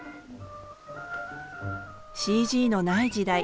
ＣＧのない時代